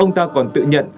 ông ta còn tự nhận